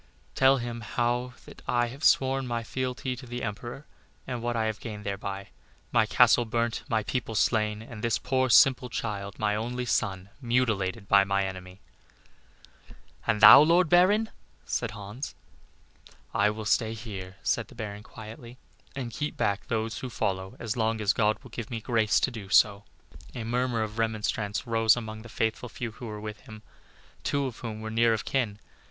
Tell him how that I have sworn fealty to the Emperor, and what I have gained thereby my castle burnt, my people slain, and this poor, simple child, my only son, mutilated by my enemy. "And thou, my Lord Baron?" said Hans. "I will stay here," said the Baron, quietly, "and keep back those who follow as long as God will give me grace so to do." A murmur of remonstrance rose among the faithful few who were with him, two of whom were near of kin.